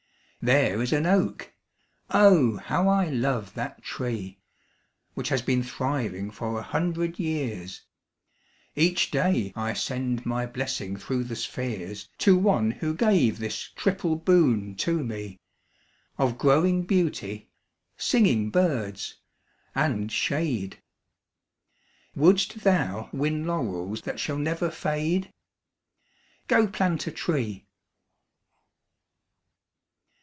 There is an oak (oh! how I love that tree) Which has been thriving for a hundred years; Each day I send my blessing through the spheres To one who gave this triple boon to me, Of growing beauty, singing birds, and shade. Wouldst thou win laurels that shall never fade? Go plant a tree.